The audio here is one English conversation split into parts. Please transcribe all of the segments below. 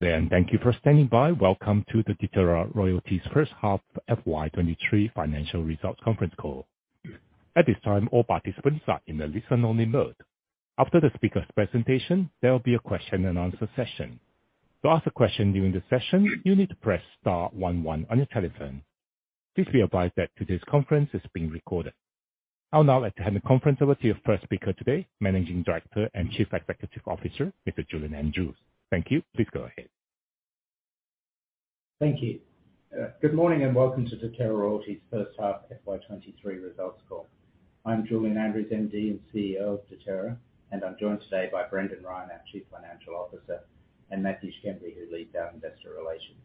Thank you for standing by. Welcome to the Deterra Royalties H1 FY2023 Financial Results Conference Call. At this time, all participants are in a listen-only mode. After the speaker's presentation, there'll be a question and answer session. To ask a question during the session, you need to press star one one on your telephone. Please be advised that today's conference is being recorded. I'll now hand the conference over to your 1st speaker today, Managing Director and Chief Executive Officer, Mr. Julian Andrews. Thank you. Please go ahead. Thank you. Good morning and welcome to Deterra Royalties H1 FY2023 results call. I'm Julian Andrews, MD and CEO of Deterra, and I'm joined today by Brendan Ryan, our Chief Financial Officer, and Matthew Schembri, who leads our Investor Relations.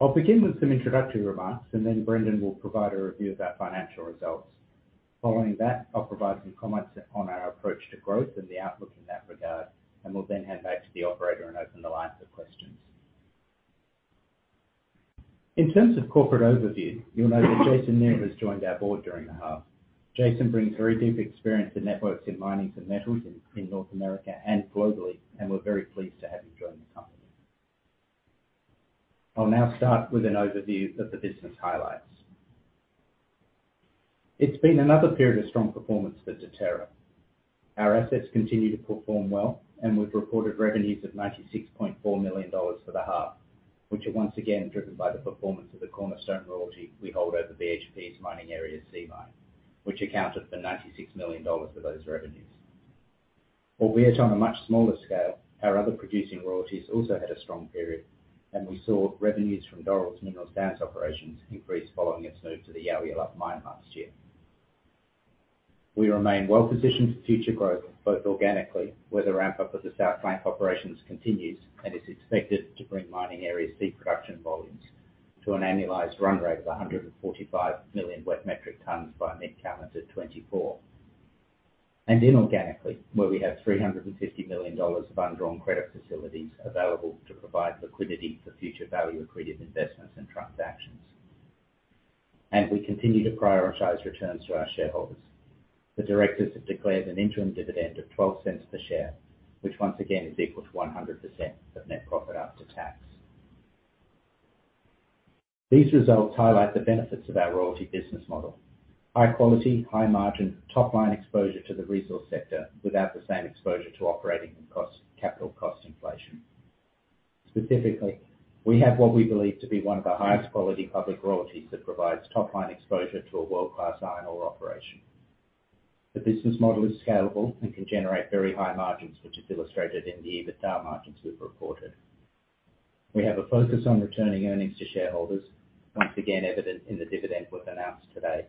I'll begin with some introductory remarks and then Brendan will provide a review of our financial results. Following that, I'll provide some comments on our approach to growth and the outlook in that regard, and we'll then hand back to the operator and open the line for questions. In terms of corporate overview, you'll know that Jason Neal has joined our board during the half. Jason brings very deep experience to networks in minings and metals in North America and globally, and we're very pleased to have him join the company. I'll now start with an overview of the business highlights. It's been another period of strong performance for Deterra. Our assets continue to perform well and we've reported revenues of 96.4 million dollars for the half, which are once again driven by the performance of the cornerstone royalty we hold over BHP's Mining Area C, which accounted for 96 million dollars of those revenues. Albeit on a much smaller scale, our other producing royalties also had a strong period, and we saw revenues from Doral's mineral sands operations increase following its move to the Yoongarillup Mine last year. We remain well-positioned for future growth, both organically, where the ramp-up of the South Flank operations continues and is expected to bring mining areas peak production volumes to an annualized run rate of 145 million wet metric tons by mid-calendar 2024, and inorganically, where we have 350 million dollars of undrawn credit facilities available to provide liquidity for future value-accretive investments and transactions. As we continue to prioritize returns to our shareholders, the directors have declared an interim dividend of 0.12 per share, which once again is equal to 100% of net profit after tax. These results highlight the benefits of our royalty business model. High quality, high margin, top line exposure to the resource sector without the same exposure to operating costs, capital costs inflation. Specifically, we have what we believe to be one of the highest quality public royalties that provides top line exposure to a world-class iron ore operation. The business model is scalable and can generate very high margins, which is illustrated in the EBITDA margins we've reported. We have a focus on returning earnings to shareholders, once again evident in the dividend we've announced today.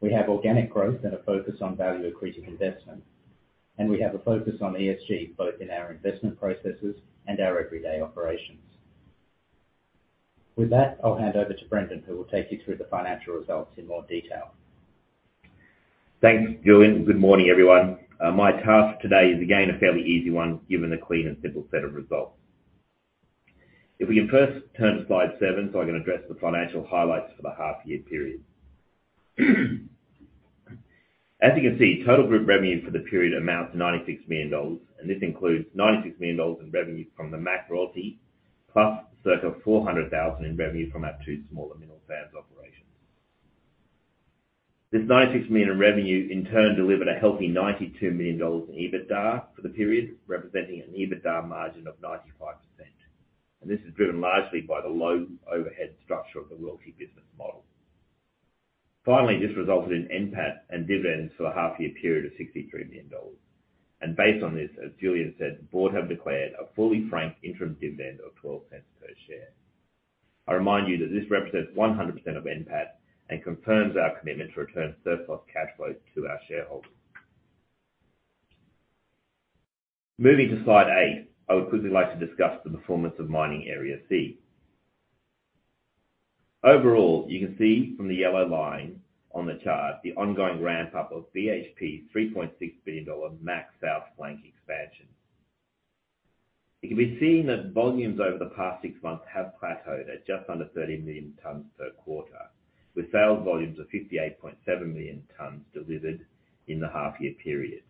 We have organic growth and a focus on value-accretive investment, and we have a focus on ESG, both in our investment processes and our everyday operations. With that, I'll hand over to Brendan, who will take you through the financial results in more detail. Thanks, Julian. Good morning, everyone. My task today is again a fairly easy one given the clean and simple set of results. If we can first turn to slide seven, so I can address the financial highlights for the half year period. As you can see, total group revenue for the period amounts to 96 million dollars, and this includes 96 million dollars in revenue from the MAC Royalty, plus circa 400 thousand in revenue from our two smaller mineral sands operations. This 96 million in revenue in turn delivered a healthy 92 million dollars in EBITDA for the period, representing an EBITDA margin of 95%. This is driven largely by the low overhead structure of the royalty business model. Finally, this resulted in NPAT and dividends for the half year period of 63 million dollars. Based on this, as Julian said, the board have declared a fully frank interim dividend of 0.12 per share. I remind you that this represents 100% of NPAT and confirms our commitment to return surplus cash flows to our shareholders. Moving to slide eight, I would quickly like to discuss the performance of Mining Area C. Overall, you can see from the yellow line on the chart the ongoing ramp-up of BHP's 3.6 billion dollar MAC South Flank expansion. It can be seen that volumes over the past six months have plateaued at just under 30 million tons per quarter, with sales volumes of 58.7 million tons delivered in the half year period.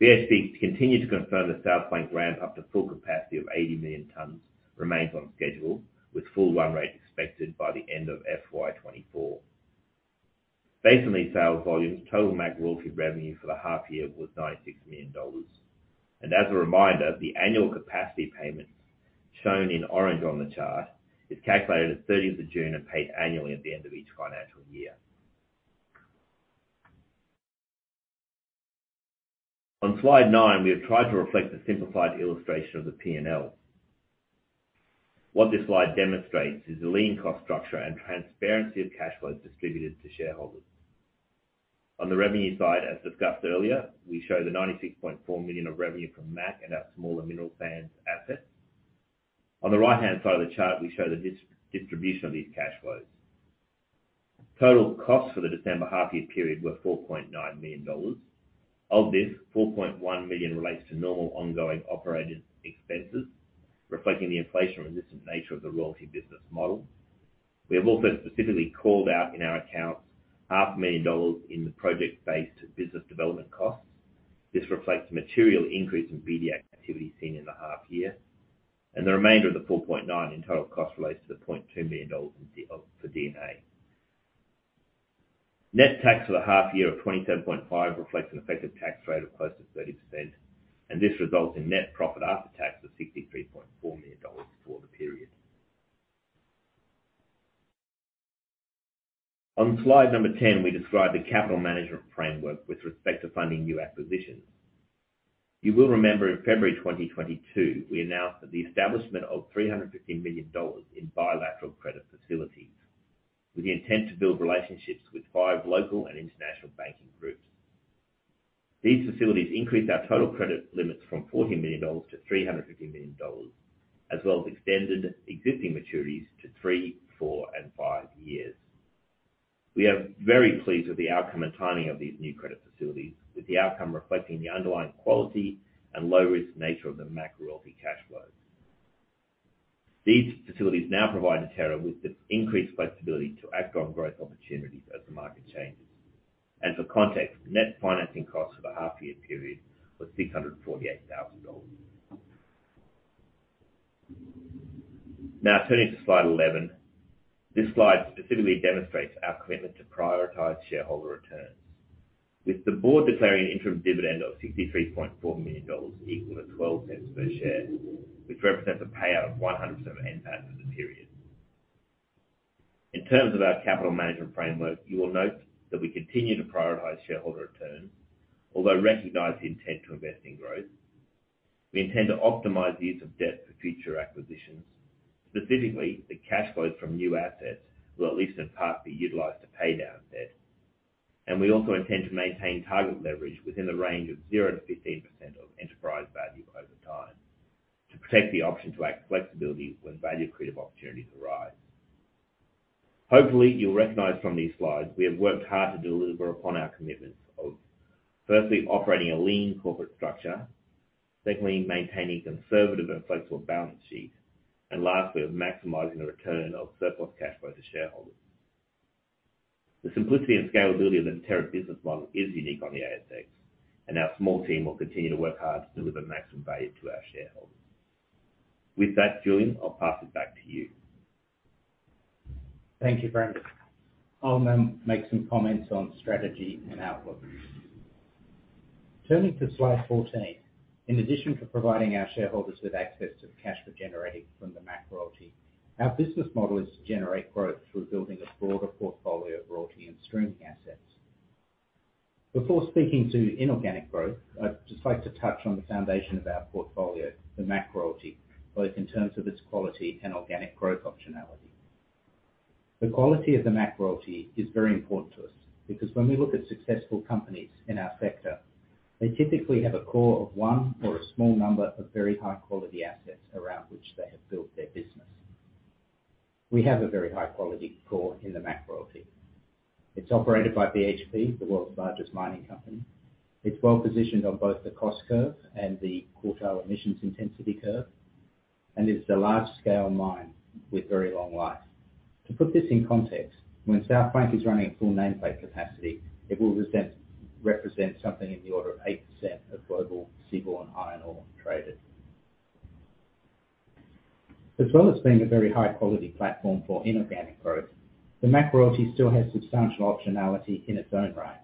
BHP continue to confirm the South Flank ramp up to full capacity of 80 million tons remains on schedule, with full run rate expected by the end of FY2024. Based on these sales volumes, total MAC Royalty revenue for the half year was 96 million dollars. As a reminder, the annual capacity payment, shown in orange on the chart, is calculated at 30th of June and paid annually at the end of each financial year. On slide nine, we have tried to reflect the simplified illustration of the P&L. What this slide demonstrates is the lean cost structure and transparency of cash flows distributed to shareholders. On the revenue side, as discussed earlier, we show the 96.4 million of revenue from MAC and our smaller mineral sands assets. On the right-hand side of the chart, we show the distribution of these cash flows. Total costs for the December half year period were 4.9 million dollars. Of this, 4.1 million relates to normal ongoing operating expenses, reflecting the inflation resistant nature of the royalty business model. We have also specifically called out in our accounts 500,000 dollars in the project-based business development costs. This reflects a material increase in BD activity seen in the half year. The remainder of the 4.9 in total cost relates to 0.2 million dollars in D&A. Net tax for the half year of 27.5 million reflects an effective tax rate of close to 30%. This results in net profit after tax of 63.4 million dollars for the period. On slide number 10, we describe the capital management framework with respect to funding new acquisitions. You will remember in February 2022, we announced that the establishment of 350 million dollars in bilateral credit facilities with the intent to build relationships with five local and international banking groups. These facilities increase our total credit limits from 40 million dollars to 350 million dollars, as well as extended existing maturities to three, four, and five years. We are very pleased with the outcome and timing of these new credit facilities, with the outcome reflecting the underlying quality and low risk nature of the MAC Royalty cash flows. These facilities now provide Deterra with the increased flexibility to act on growth opportunities as the market changes. For context, the net financing cost for the half year period was 648,000 dollars. Turning to slide one one, this slide specifically demonstrates our commitment to prioritize shareholder returns. With the board declaring an interim dividend of 63.4 million dollars, equal to 0.12 per share, which represents a payout of 100% of NPAT for the period. In terms of our capital management framework, you will note that we continue to prioritize shareholder returns, although recognize the intent to invest in growth. We intend to optimize the use of debt for future acquisitions. Specifically, the cash flows from new assets will at least in part, be utilized to pay down debt. We also intend to maintain target leverage within the range of 0%-15% of enterprise value over time to protect the option to act with flexibility when value creative opportunities arise. Hopefully, you'll recognize from these slides we have worked hard to deliver upon our commitments of, firstly, operating a lean corporate structure, secondly, maintaining conservative and flexible balance sheet, and lastly, of maximizing the return of surplus cash flow to shareholders. The simplicity and scalability of a Deterra business model is unique on the ASX, and our small team will continue to work hard to deliver maximum value to our shareholders. With that, Julian, I'll pass it back to you. Thank you, Brendan. I'll make some comments on strategy and outlook. Turning to slide 14. In addition to providing our shareholders with access to the cash we're generating from the MAC Royalty, our business model is to generate growth through building a broader portfolio of royalty and streaming assets. Before speaking to inorganic growth, I'd just like to touch on the foundation of our portfolio, the MAC Royalty, both in terms of its quality and organic growth optionality. The quality of the MAC Royalty is very important to us because when we look at successful companies in our sector, they typically have a core of one or a small number of very high-quality assets around which they have built their business. We have a very high-quality core in the MAC Royalty. It's operated by BHP, the world's largest mining company. It's well positioned on both the cost curve and the quartile emissions intensity curve, and it's a large scale mine with very long life. To put this in context, when South Flank is running at full nameplate capacity, it will represent something in the order of 8% of global seaborne iron ore traded. As well as being a very high-quality platform for inorganic growth, the MAC Royalty still has substantial optionality in its own right.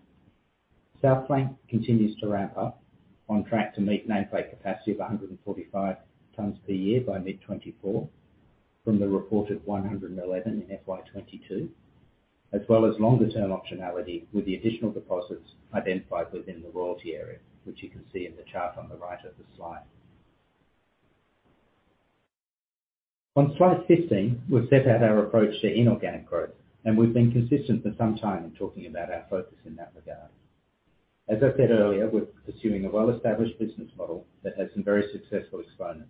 South Flank continues to ramp up, on track to meet nameplate capacity of 145 tons per year by mid-2024 from the reported one one1 in FY2022, as well as longer-term optionality with the additional deposits identified within the royalty area, which you can see in the chart on the right of the slide. On slide 15, we've set out our approach to inorganic growth, and we've been consistent for some time in talking about our focus in that regard. As I said earlier, we're pursuing a well-established business model that has some very successful exponents,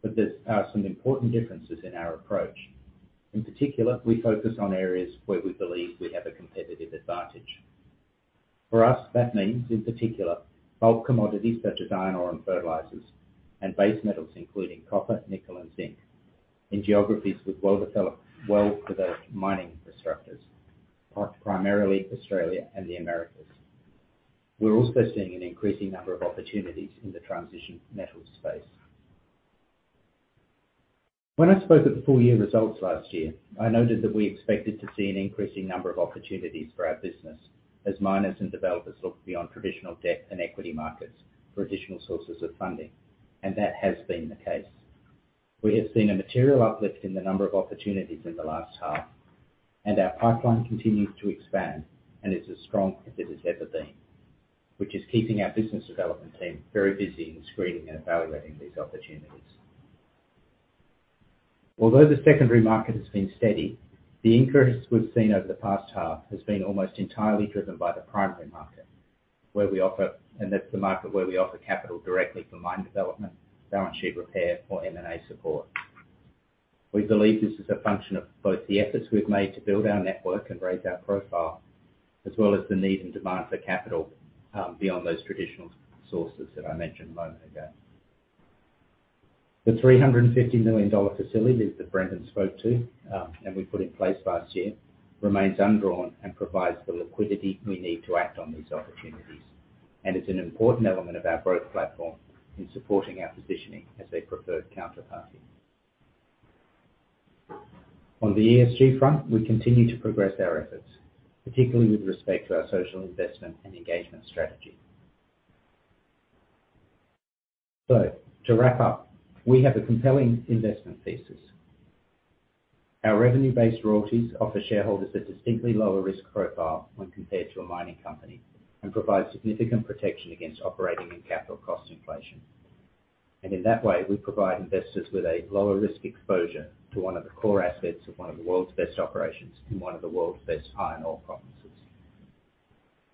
but there's some important differences in our approach. In particular, we focus on areas where we believe we have a competitive advantage. For us, that means, in particular, bulk commodities such as iron ore and fertilizers and base metals, including copper, nickel, and zinc, in geographies with well-developed mining infrastructures, primarily Australia and the Americas. We're also seeing an increasing number of opportunities in the transition metals space. When I spoke at the full year results last year, I noted that we expected to see an increasing number of opportunities for our business as miners and developers look beyond traditional debt and equity markets for additional sources of funding and that has been the case. We have seen a material uplift in the number of opportunities in the last half, and our pipeline continues to expand and is as strong as it has ever been, which is keeping our business development team very busy in screening and evaluating these opportunities. Although the secondary market has been steady, the increase we've seen over the past half has been almost entirely driven by the primary market, and that's the market where we offer capital directly for mine development, balance sheet repair or M&A support. We believe this is a function of both the efforts we've made to build our network and raise our profile, as well as the need and demand for capital, beyond those traditional sources that I mentioned a moment ago. The 350 million dollar facility that Brendan spoke to, and we put in place last year remains undrawn and provides the liquidity we need to act on these opportunities. It's an important element of our growth platform in supporting our positioning as a preferred counterparty. On the ESG front, we continue to progress our efforts, particularly with respect to our social investment and engagement strategy. To wrap up, we have a compelling investment thesis. Our revenue-based royalties offer shareholders a distinctly lower risk profile when compared to a mining company, and provide significant protection against operating and capital cost inflation. In that way, we provide investors with a lower risk exposure to one of the core assets of one of the world's best operations in one of the world's best iron ore provinces.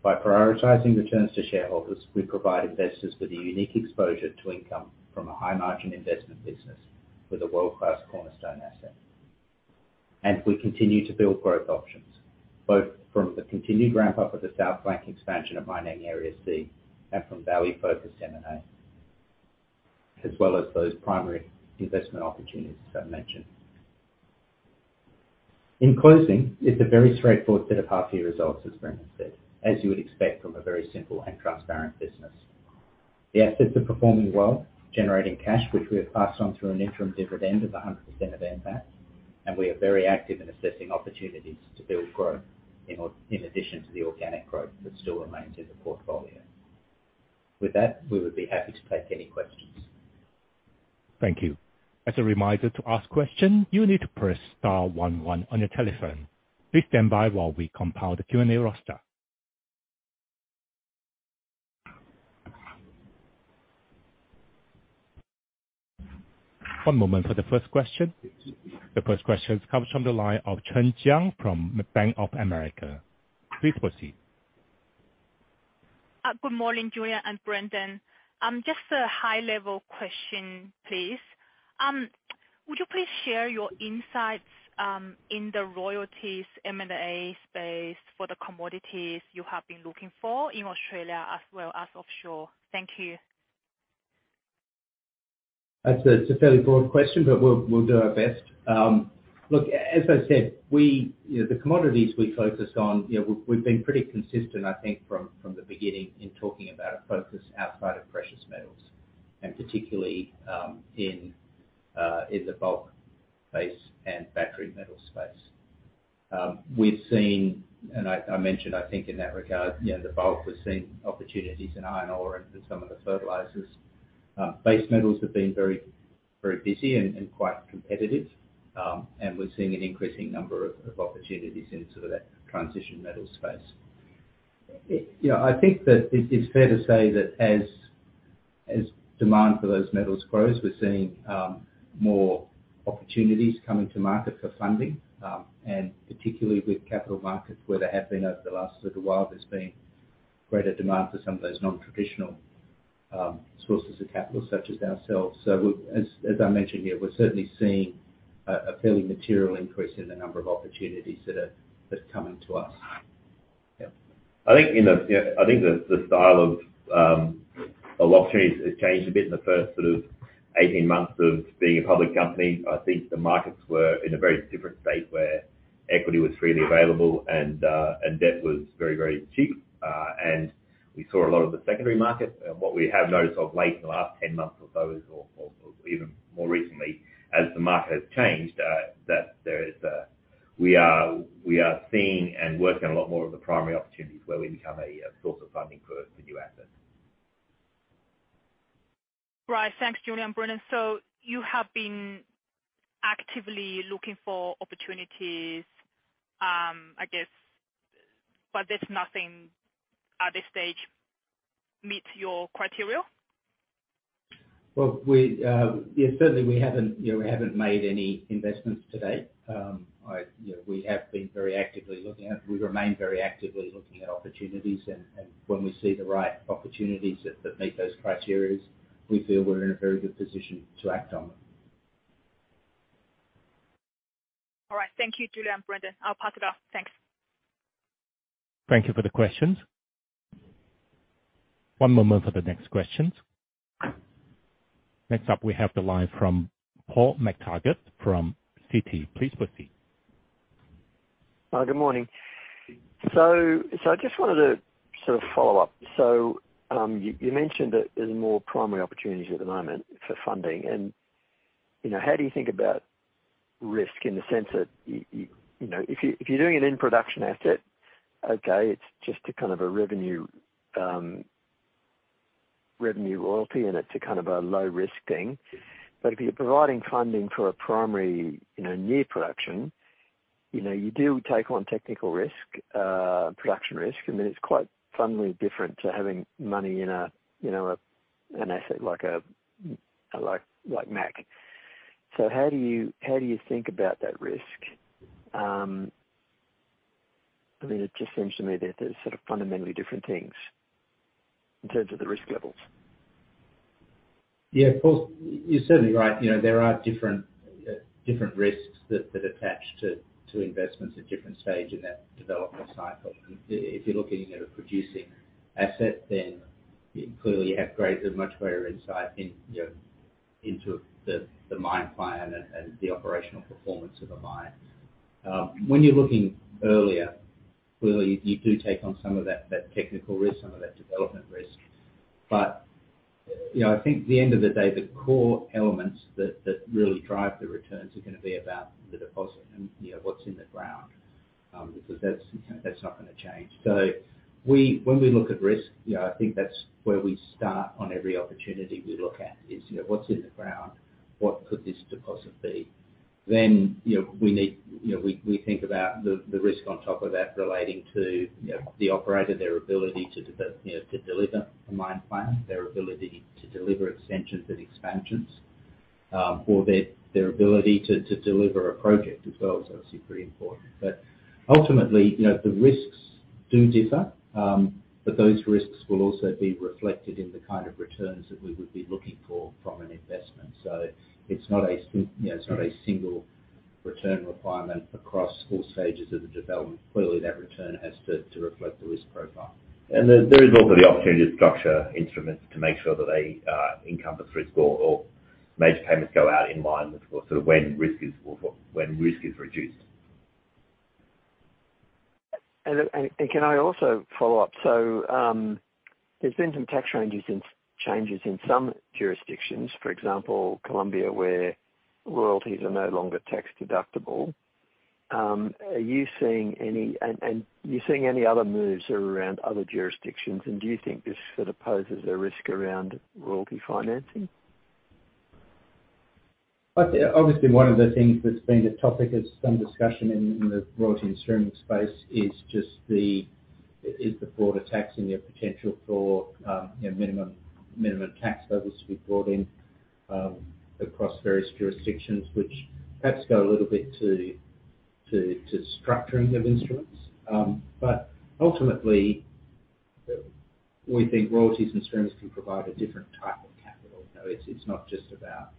By prioritizing returns to shareholders, we provide investors with a unique exposure to income from a high margin investment business with a world-class cornerstone asset. We continue to build growth options, both from the continued ramp up of the South Flank expansion of Mining Area C and from value-focused M&A, as well as those primary investment opportunities that I mentioned. In closing, it's a very straightforward set of half year results, as Brendan said, as you would expect from a very simple and transparent business. The assets are performing well, generating cash, which we have passed on through an interim dividend of 100% of NPAT. We are very active in assessing opportunities to build growth in addition to the organic growth that still remains in the portfolio. With that, we would be happy to take any questions. Thank you. As a reminder to ask question, you need to press star one one on your telephone. Please stand by while we compile the Q&A roster. One moment for the first question. The first question comes from the line of Chen Jiang from Bank of America. Please proceed. Good morning, Julian and Brendan. Just a high level question, please. Would you please share your insights in the royalties M&A space for the commodities you have been looking for in Australia as well as offshore? Thank you. That's a, it's a fairly broad question, but we'll do our best. Look, as I said, we, you know, the commodities we focused on, you know, we've been pretty consistent, I think from the beginning in talking about a focus outside of precious metals and particularly in the bulk base and battery metal space. We've seen, I mentioned I think in that regard, you know, the bulk, we're seeing opportunities in iron ore and some of the fertilizers. Base metals have been very, very busy and quite competitive. We're seeing an increasing number of opportunities into that transition metal space. You know, I think that it's fair to say that as demand for those metals grows, we're seeing more opportunities coming to market for funding. Particularly with capital markets, where there have been over the last little while, there's been greater demand for some of those non-traditional sources of capital such as ourselves. As I mentioned here, we're certainly seeing a fairly material increase in the number of opportunities that are coming to us. I think in the, you know, I think the style of opportunities has changed a bit in the first sort of 18 months of being a public company. I think the markets were in a very different state where equity was freely available and debt was very, very cheap. We saw a lot of the secondary market. What we have noticed of late in the last 10 months or so is, or even more recently as the market has changed, that there is, we are seeing and working a lot more of the primary opportunities where we become a source of funding for new assets. Right. Thanks, Julian, Brendan. You have been actively looking for opportunities, I guess, but there's nothing at this stage meets your criteria? We, yeah, certainly we haven't, you know, we haven't made any investments to date. I, you know, we have been very actively looking at, we remain very actively looking at opportunities and when we see the right opportunities that meet those criteria, we feel we're in a very good position to act on them. All right. Thank you, Julian. Brendan. I'll pass it off. Thanks. Thank you for the questions. One moment for the next questions. Next up, we have the line from Paul McTaggart from Citi. Please proceed. Good morning. I just wanted to sort of follow up. You mentioned that there's more primary opportunities at the moment for funding and, you know, how do you think about risk in the sense that you know, if you're doing an in production asset, okay, it's just a kind of a revenue royalty and it's a kind of a low risk thing. But if you're providing funding for a primary, you know, near production, you know, you do take on technical risk, production risk, and then it's quite fundamentally different to having money in an asset like MAC. How do you think about that risk? I mean, it just seems to me that there's sort of fundamentally different things in terms of the risk levels. Yeah, Paul, you're certainly right. You know, there are different risks that attach to investments at different stage in that development cycle. If you're looking at a producing asset, then you clearly have greater, much greater insight in, you know, into the mine plan and the operational performance of a mine. When you're looking earlier, clearly you do take on some of that technical risk, some of that development risk. You know, I think at the end of the day, the core elements that really drive the returns are gonna be about the deposit and, you know, what's in the ground. Because that's not gonna change. When we look at risk, you know, I think that's where we start on every opportunity we look at, is, you know, what's in the ground? What could this deposit be? You know, we need, you know, we think about the risk on top of that relating to, you know, the operator, their ability to you know, to deliver a mine plan, their ability to deliver extensions and expansions, or their ability to deliver a project as well, is obviously pretty important. Ultimately, you know, the risks do differ. Those risks will also be reflected in the kind of returns that we would be looking for from an investment. It's not a you know, it's not a single return requirement across all stages of the development. Clearly, that return has to reflect the risk profile. There is also the opportunity to structure instruments to make sure that they encompass risk or major payments go out in line with sort of when risk is or when risk is reduced. Can I also follow up? There's been some tax changes in some jurisdictions. For example, Colombia, where royalties are no longer tax deductible. You're seeing any other moves around other jurisdictions, and do you think this sort of poses a risk around royalty financing? Obviously, one of the things that's been a topic of some discussion in the royalty and streaming space is just the broader tax and your potential for, you know, minimum tax levels to be brought in across various jurisdictions, which perhaps go a little bit to structuring of instruments. Ultimately, we think royalties and streams can provide a different type of capital. You know, it's not just about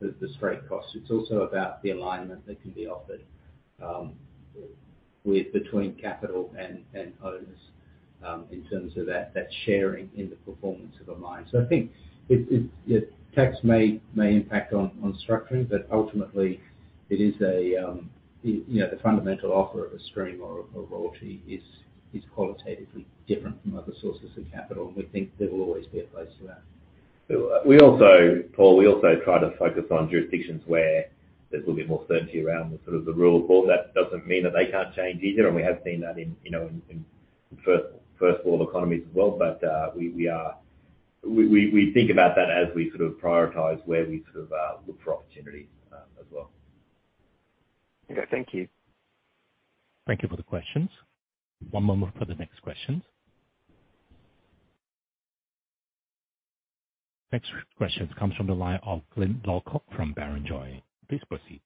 the straight costs. It's also about the alignment that can be offered with, between capital and owners in terms of that sharing in the performance of a mine. I think you know, tax may impact on structuring, but ultimately it is a, you know, the fundamental offer of a stream or a royalty is qualitatively different from other sources of capital, and we think there will always be a place for that. We also, Paul, we also try to focus on jurisdictions where there's a little bit more certainty around the, sort of the rule. Of course, that doesn't mean that they can't change either, and we have seen that in, you know, in first world economies as well. We think about that as we sort of prioritize where we sort of look for opportunities as well. Okay, thank you. Thank you for the questions. One moment for the next question. Next question comes from the line of Glyn Lawcock from Barrenjoey. Please proceed.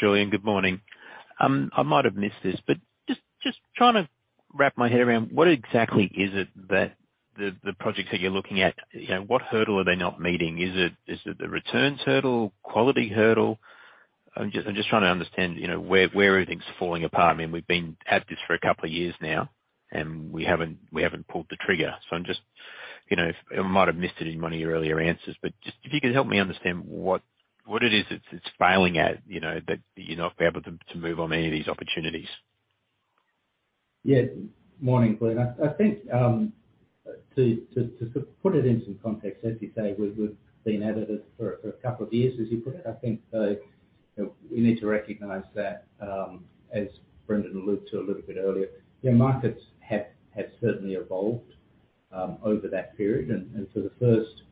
Julian, good morning. I might have missed this, just trying to wrap my head around what exactly is it that the projects that you're looking at, you know, what hurdle are they not meeting? Is it the returns hurdle, quality hurdle? I'm just trying to understand, you know, where everything's falling apart. I mean, we've been at this for a couple of years now, we haven't pulled the trigger. I'm just, you know, I might have missed it in one of your earlier answers, just if you could help me understand what it is, it's failing at, you know, that you're not be able to move on any of these opportunities. Yeah. Morning, Glyn. I think, to put it in some context, as you say, we've been at it for a couple of years, as you put it. I think, you know, we need to recognize that, as Brendan alluded to a little bit earlier, you know, markets have certainly evolved over that period. For the first,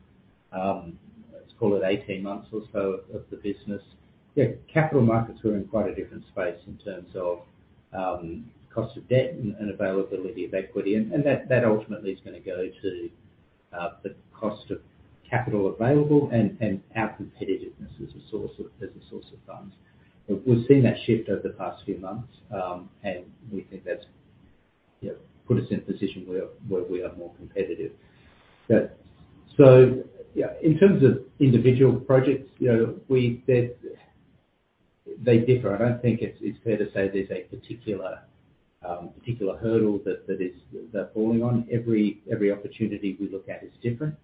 let's call it 18 months or so of the business, you know, capital markets were in quite a different space in terms of cost of debt and availability of equity. That ultimately is gonna go to the cost of capital available and our competitiveness as a source of funds. We've seen that shift over the past few months, and we think that's, you know, put us in a position where we are more competitive. Yeah, in terms of individual projects, you know, they differ. I don't think it's fair to say there's a particular hurdle that is, they're falling on. Every opportunity we look at is different.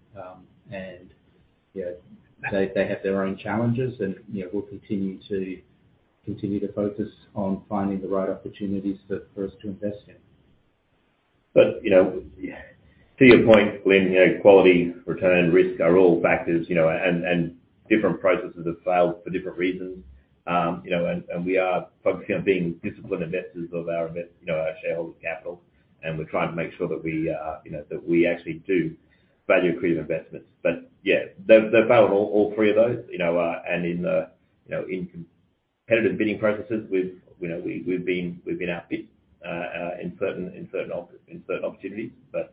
And, you know, they have their own challenges and, you know, we'll continue to focus on finding the right opportunities for us to invest in. You know, to your point, Glyn, you know, quality, return, risk are all factors, you know, and different processes have failed for different reasons. You know, and we are focused on being disciplined investors of our, you know, our shareholder capital, and we're trying to make sure that we, you know, that we actually do value-accretive investments. Yeah, they've failed all three of those, you know, and in the, you know, in competitive bidding processes, we've, you know, we've been outbid in certain, in certain opportunities. You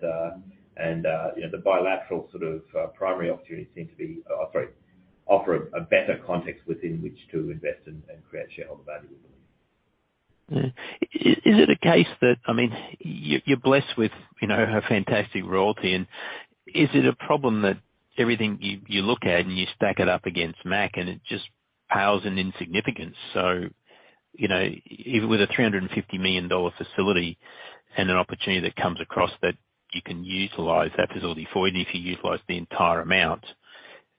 know, the bilateral sort of primary opportunities seem to be, sorry, offer a better context within which to invest and create shareholder value, Glyn. Is it a case that, I mean, you're blessed with, you know, a fantastic royalty? Is it a problem that everything you look at and you stack it up against MAC and it just pales in insignificance? You know, even with an 350 million dollar facility and an opportunity that comes across that you can utilize that facility for, and if you utilize the entire amount,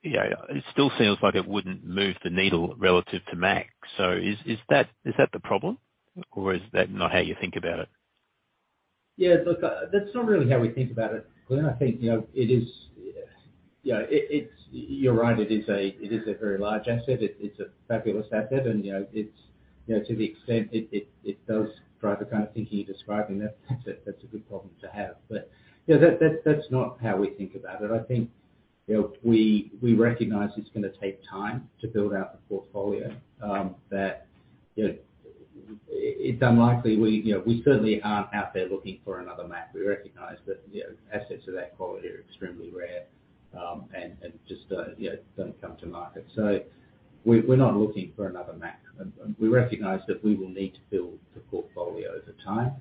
you know, it still seems like it wouldn't move the needle relative to MAC? Is that the problem or is that not how you think about it? Yeah, look, that's not really how we think about it, Glyn. I think, you know, you know, it's you're right. It is a very large asset. It's, it's a fabulous asset and, you know, it's, you know, to the extent it does drive the kind of thinking you're describing. That's a, that's a good problem to have. You know, that's not how we think about it. I think, you know, we recognize it's gonna take time to build our portfolio, that, you know, it's unlikely we, you know, we certainly aren't out there looking for another MAC. We recognize that, you know, assets of that quality are extremely rare, and just, you know, don't come to market. We, we're not looking for another MAC. We recognize that we will need to build the portfolio over time.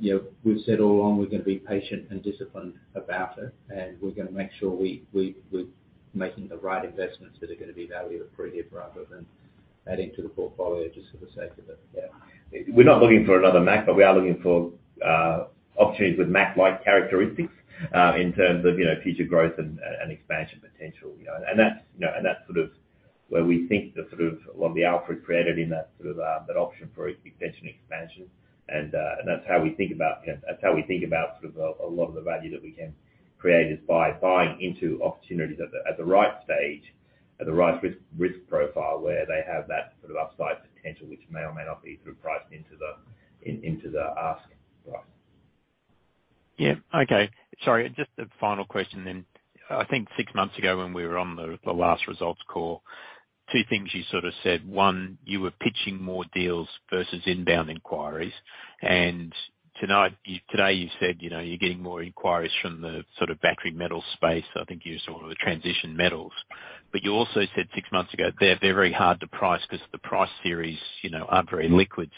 You know, we've said all along, we're gonna be patient and disciplined about it. We're gonna make sure we're making the right investments that are gonna be value accretive rather than adding to the portfolio just for the sake of it. Yeah. We're not looking for another MAC, but we are looking for opportunities with MAC-like characteristics in terms of, you know, future growth and expansion potential, you know. That's, you know, and that's sort of where we think the sort of what the [offered created in that sort of that option for extension expansion. That's how we think about, that's how we think about sort of a lot of the value that we can create is by buying into opportunities at the, at the right stage, at the right risk profile, where they have that sort of upside potential, which may or may not be through pricing into the, in, into the asking price. Yeah. Okay. Sorry. Just a final question. I think six months ago when we were on the last results call, two things you sort of said. One, you were pitching more deals versus inbound inquiries. Today, you said, you know, you're getting more inquiries from the sort of battery metal space. I think you used the word the transition metals. You also said six months ago, they're very hard to price because the price series, you know, aren't very liquid.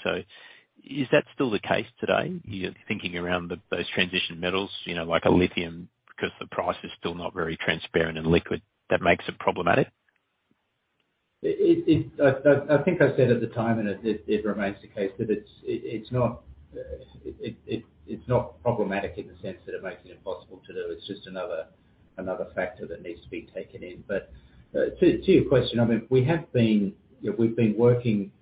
Is that still the case today? You're thinking around those transition metals, you know, like a lithium, because the price is still not very transparent and liquid, that makes it problematic. I think I said at the time, and it remains the case, that it's not problematic in the sense that it makes it impossible to do. It's just another factor that needs to be taken in. To your question, I mean, we have been, you know, we've been working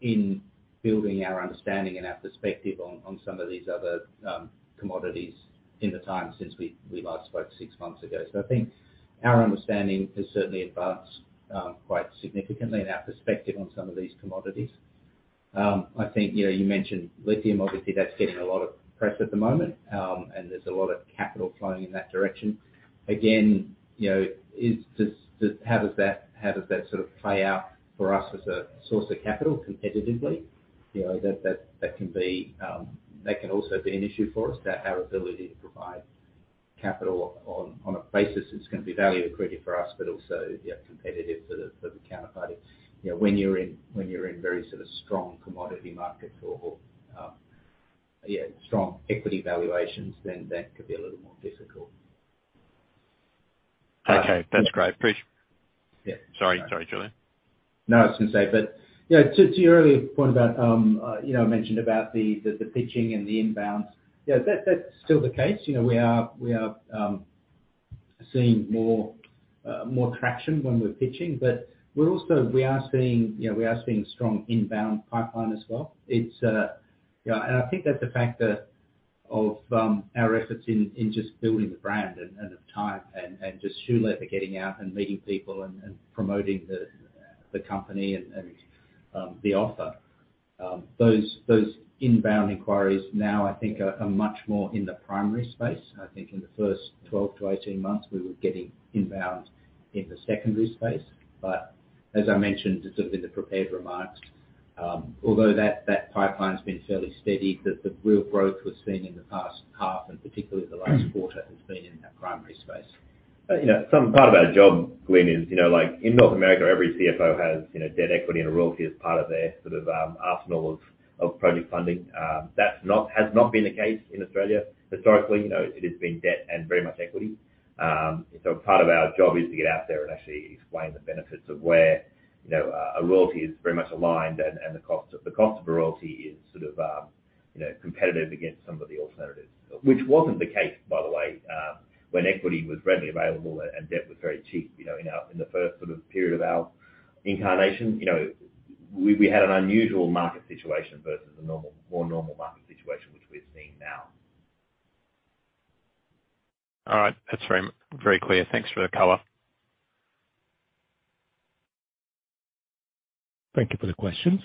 in building our understanding and our perspective on some of these other commodities in the time since we last spoke six months ago. I think our understanding has certainly advanced quite significantly in our perspective on some of these commodities. I think, you know, you mentioned lithium, obviously, that's getting a lot of press at the moment, and there's a lot of capital flowing in that direction. Again, you know, just how does that, how does that sort of play out for us as a source of capital competitively? You know, that can be, that can also be an issue for us, our ability to provide capital on a basis that's gonna be value accretive for us, but also, yeah, competitive for the counterparty. You know, when you're in, when you're in very sort of strong commodity markets or, yeah, strong equity valuations, then that could be a little more [physical]. Okay. That's great. Yeah. Sorry, Julian. I was gonna say, you know, to your earlier point about, you know, mentioned about the pitching and the inbounds. That's still the case. You know, we are seeing more traction when we're pitching. We are seeing strong inbound pipeline as well. It's, you know, I think that's a factor of our efforts in just building the brand and of time and just shoe leather, getting out and meeting people and promoting the company and the offer. Those inbound inquiries now I think are much more in the primary space. I think in the first 12-18 months, we were getting inbound in the secondary space. As I mentioned sort of in the prepared remarks, although that pipeline's been fairly steady, the real growth we've seen in the past half and particularly the last quarter has been in that primary space. You know, some part of our job, Glyn, is, you know, like in North America, every CFO has, you know, debt equity and a royalty as part of their sort of arsenal of project funding. Has not been the case in Australia. Historically, you know, it has been debt and very much equity. Part of our job is to get out there and actually explain the benefits of where, you know, a royalty is very much aligned and the cost of a royalty is sort of, you know, competitive against some of the alternatives. Which wasn't the case, by the way, when equity was readily available and debt was very cheap, you know, in our, in the first sort of period of our incarnation, you know, we had an unusual market situation versus the normal, more normal market situation, which we're seeing now. All right. That's very, very clear. Thanks for the color. Thank you for the questions.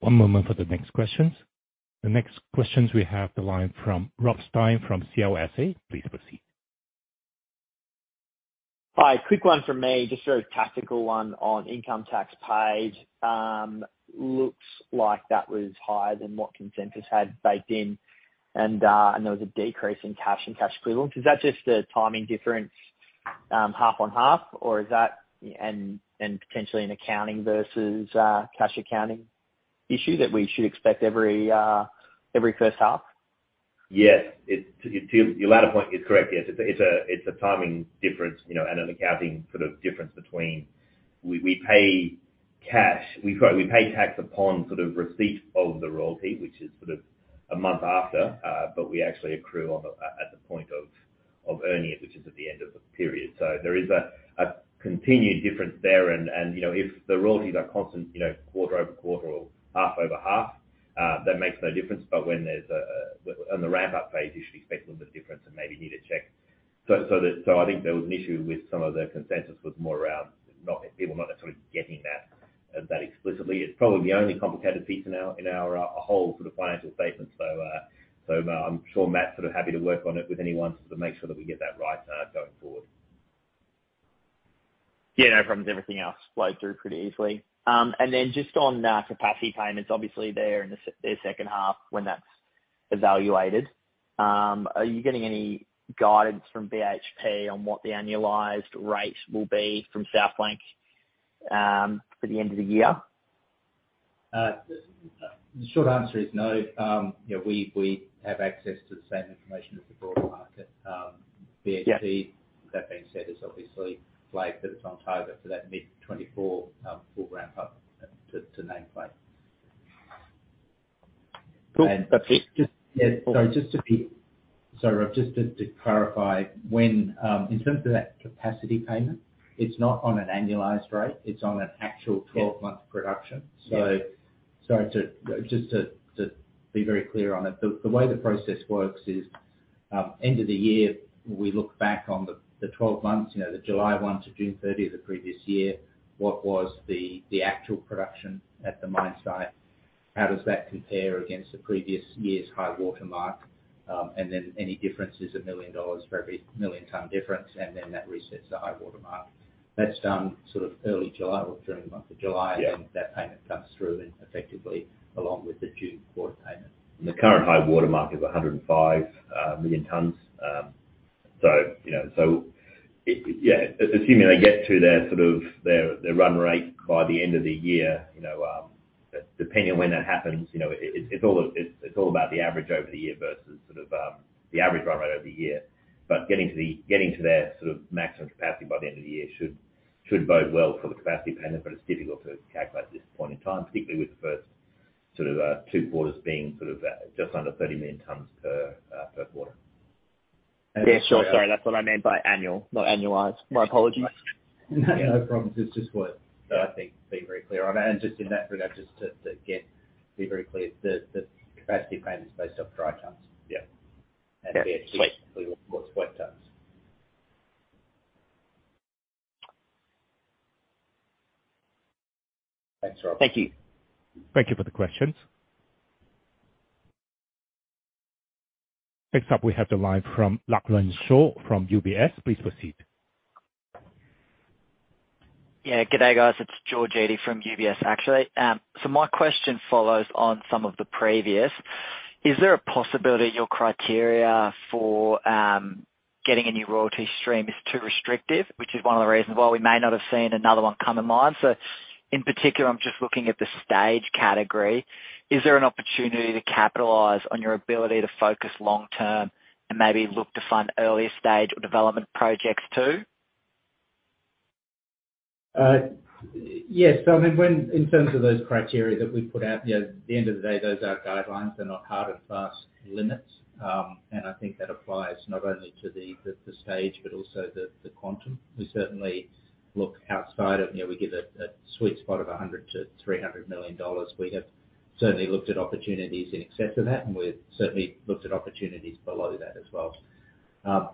One moment for the next questions. The next questions we have the line from Rob Stein from CLSA. Please proceed. Hi, quick one from me, just a tactical one on income tax paid. Looks like that was higher than what consensus had baked in and there was a decrease in cash and cash equivalents. Is that just a timing difference, half on half, or is that and potentially an accounting versus cash accounting issue that we should expect every every H1? Yes. It's to your latter point, it's correct, yes. It's a timing difference, you know, and an accounting sort of difference between we pay cash, we pay tax upon sort of receipt of the royalty, which is sort of a month after. We actually accrue on the at the point of earning it, which is at the end of the period. There is a continued difference there and, you know, if the royalties are constant, you know, quarter-over-quarter or half-over-half, that makes no difference. When there's a on the ramp-up phase, you should expect a little bit of difference and maybe need to check. That, I think there was an issue with some of the consensus was more around not, people not necessarily getting that explicitly. It's probably the only complicated piece in our, in our whole sort of financial statement. I'm sure Matt's sort of happy to work on it with anyone to make sure that we get that right going forward. Yeah, no problems. Everything else flowed through pretty easily. Just on capacity payments, obviously, they're in their H2 when that's evaluated. Are you getting any guidance from BHP on what the annualized rate will be from South Flank for the end of the year? The short answer is no. You know, we have access to the same information as the broader market. That being said, is obviously flagged that it's on target for that mid-2024 full ramp up to nameplate. Cool. That's it. Yeah. Sorry, Rob, just to clarify. In terms of that capacity payment, it's not on an annualized rate, it's on an actual 12-month production. Yeah. Sorry to be very clear on it. The way the process works is, end of the year, we look back on the 12 months, you know, the July 1 to June 30 of the previous year, what was the actual production at the mine site? How does that compare against the previous year's high watermark? Any difference is 1 million dollars for every 1 million ton difference, and then that resets the high watermark. That's done sort of early July or during the month of July. That payment comes through and effectively along with the June quarter payment. The current high watermark is 105 million tons. You know, assuming they get to their sort of their run rate by the end of the year, you know, depending on when that happens, you know, it's all, it's all about the average over the year versus sort of, the average run rate over the year. Getting to their sort of maximum capacity by the end of the year should bode well for the capacity payment, but it's difficult to calculate at this point in time, particularly with the first sort of, two quarters being sort of, just under 30 million tons per quarter. Yeah, sure. Sorry, that's what I meant by annual, not annualized. My apologies. No problems. It's just worth, I think, to be very clear on it. Just in that regard, just to again be very clear, the capacity payment is based off dry tons. Yeah. Yeah. BHP reports wet tons. Thanks, Rob. Thank you. Thank you for the questions. Next up, we have the line from Lachlan Shaw from UBS. Please proceed. Yeah. Good day, guys. It's George Eadis from UBS, actually. My question follows on some of the previous. Is there a possibility your criteria for getting a new royalty stream is too restrictive, which is one of the reasons why we may not have seen another one come to mind? In particular, I'm just looking at the stage category. Is there an opportunity to capitalize on your ability to focus long term and maybe look to fund earlier stage or development projects too? Yes. I mean, when, in terms of those criteria that we put out, you know, at the end of the day, those are guidelines. They're not hard and fast limits. I think that applies not only to the stage, but also the quantum. We certainly look outside of, you know, we give a sweet spot of 100 million-300 million dollars. We have certainly looked at opportunities in excess of that, and we've certainly looked at opportunities below that as well.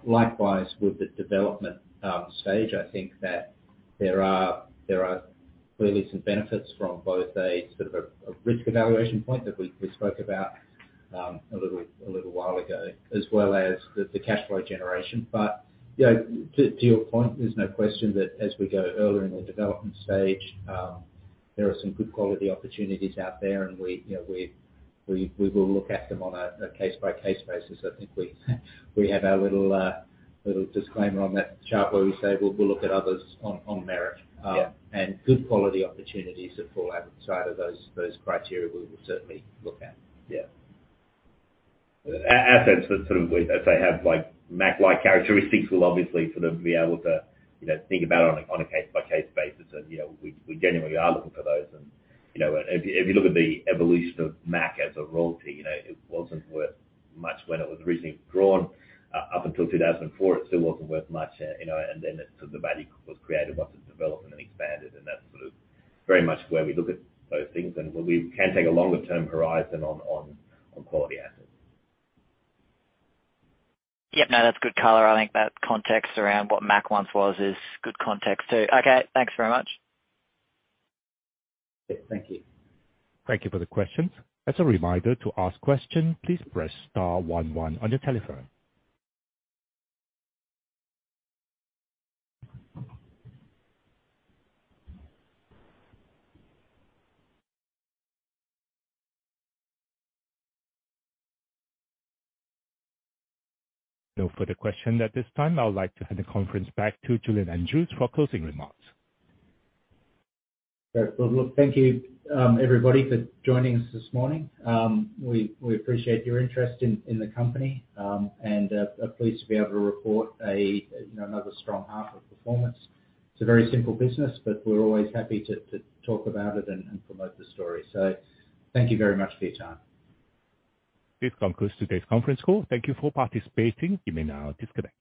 Likewise, with the development stage, I think that there are clearly some benefits from both a sort of a risk evaluation point that we spoke about a little while ago, as well as the cash flow generation. You know, to your point, there's no question that as we go earlier in the development stage, there are some good quality opportunities out there and we, you know, we will look at them on a case-by-case basis. I think we have our little disclaimer on that chart where we say, we'll look at others on merit. Yeah. Good quality opportunities that fall outside of those criteria, we will certainly look at. Yeah. Assets that sort of we, as they have like MAC-like characteristics, we'll obviously sort of be able to, you know, think about on a, on a case-by-case basis. You know, we genuinely are looking for those. You know, if you, if you look at the evolution of MAC as a royalty, you know, it wasn't worth much when it was originally drawn. Up until 2004, it still wasn't worth much, you know, then it, sort of the value was created once it's developed and then expanded, that's sort of very much where we look at those things. We can take a longer term horizon on quality assets. Yep. That's good color. I think that context around what MAC once was is good context, too. Thanks very much. Yeah, thank you. Thank you for the questions. As a reminder to ask question, please press star one one on your telephone. No further questions at this time. I would like to hand the conference back to Julian Andrews for closing remarks. Great. Well, look, thank you, everybody for joining us this morning. We appreciate your interest in the company and are pleased to be able to report a, you know, another strong half of performance. It's a very simple business, but we're always happy to talk about it and promote the story. Thank you very much for your time. This concludes today's conference call. Thank you for participating. You may now disconnect.